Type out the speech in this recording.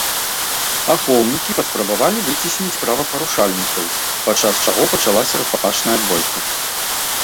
Ахоўнікі паспрабавалі выцесніць правапарушальнікаў, падчас чаго пачалася рукапашная бойка.